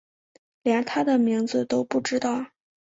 连他的名字都不知道